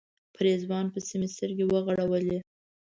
په رضوان پسې مې سترګې وغړولې.